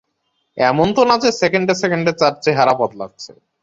এমন তো না যে সেকেন্ডে সেকেন্ডে তার চেহারা বদলাচ্ছে।